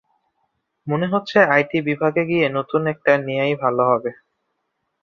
মনে হচ্ছে আইটি বিভাগে গিয়ে নতুন একটা নেয়াই ভালো হবে।